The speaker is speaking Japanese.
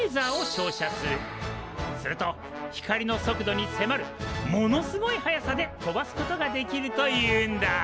すると光の速度にせまるものすごい速さで飛ばすことができるというんだ。